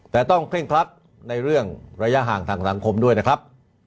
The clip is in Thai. แต่ต้องเคร่งครัดในเรื่องระยะห่างทางสังคมด้วยนะครับ